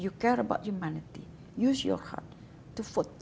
jika anda peduli tentang manusia gunakan hati anda untuk berpikir